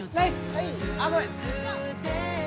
はいあぁごめん。